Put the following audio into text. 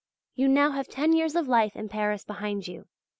You now have ten years of life in Paris behind you.